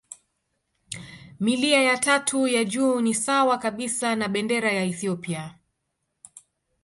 Milia ya tatu ya juu ni sawa kabisa na bendera ya Ethiopia.